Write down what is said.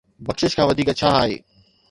بخشش کان وڌيڪ ڇا آهي؟